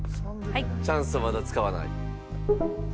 チャンスをまだ使わない。